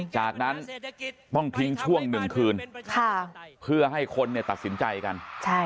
จากนั้นต้องทิ้งช่วงหนึ่งคืนเพื่อให้คนตัดสินใจกัน